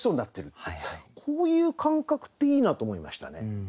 こういう感覚っていいなと思いましたね。